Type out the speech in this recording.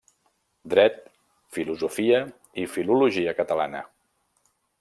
Dret, Filosofia i Filologia Catalana.